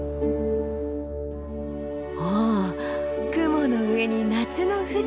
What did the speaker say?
お雲の上に夏の富士！